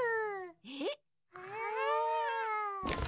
えっ！？